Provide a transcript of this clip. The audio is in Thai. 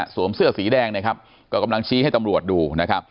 สวมเสื้อสีแดงกำลังชี้ให้ตำรวจดู